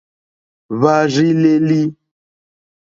Hwá rzí lélí.